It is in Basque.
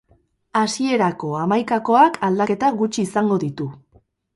Hasierako hamaikakoak aldaketa gutxi izango ditu.